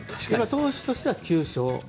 投手としては９勝。